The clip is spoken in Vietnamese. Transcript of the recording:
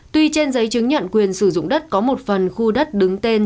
tuy trên giấy chứng nhận quyền sử dụng đất có một phần khu đất đứng tên